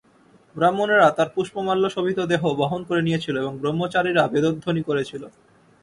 ব্রাহ্মণেরা তাঁর পুষ্পমাল্য-শোভিত দেহ বহন করে নিয়েছিল এবং ব্রহ্মচারীরা বেদধ্বনি করেছিল।